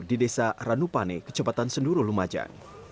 di desa ranupane kecepatan senduru lumajang